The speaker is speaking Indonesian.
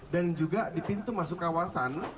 dan juga di pintu masuk kawasan